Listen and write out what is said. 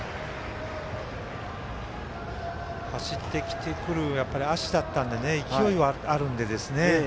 走ってくる足だったので勢いはあるんでね。